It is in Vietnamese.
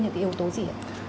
những cái yếu tố gì